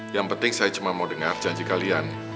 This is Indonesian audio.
yang penting saya cuma mau dengar janji kalian